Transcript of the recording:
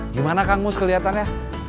gimana kang mus kelihatannya